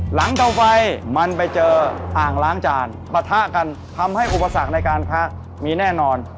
เตาไฟมันไปเจออ่างล้างจานปะทะกันทำให้อุปสรรคในการพระมีแน่นอน